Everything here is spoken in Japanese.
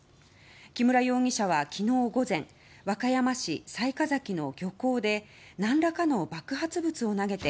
木村容疑者は昨日午前和歌山市雑賀崎の漁港で何らかの爆発物を投げて